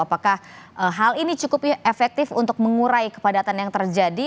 apakah hal ini cukup efektif untuk mengurai kepadatan yang terjadi